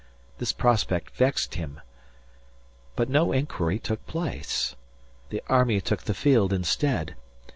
This prospect vexed him. But no inquiry took place. The army took the field instead.